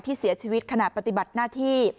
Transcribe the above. เสียชีวิตขณะปฏิบัติหน้าที่